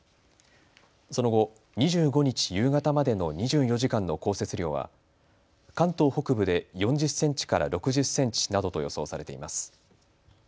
その後、２５日夕方までの２４時間の降雪量は関東北部で４０センチから６０センチなどと予想されています。